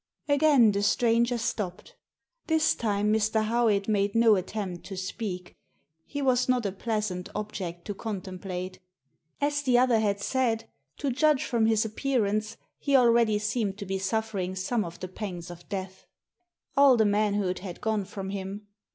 Again the stranger stopped. This time Mr. Howitt made no attempt to speak. He was not a pleasant object to contemplate. As the other had said, to judge from his appearance he already seemed to be suffering some of the pangs of death. All the man hood had gone from him.